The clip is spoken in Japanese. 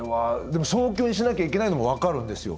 でも早急にしなきゃいけないのも分かるんですよ。